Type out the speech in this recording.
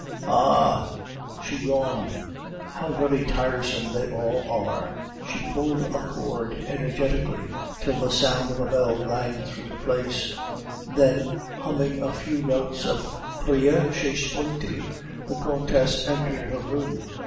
"'Ah!' she yawned; 'how very tiresome they all are!' "She pulled a cord energetically till the sound of a bell rang through the place; then, humming a few notes of Pria che spunti, the countess entered her room.